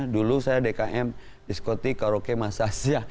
dulu saya dkm diskoti karoke masasya